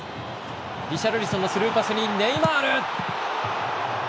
リシャルリソンのスルーパスにネイマール。